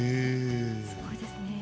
すごいですね。